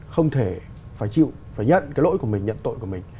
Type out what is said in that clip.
không thể phải chịu phải nhận cái lỗi của mình nhận tội của mình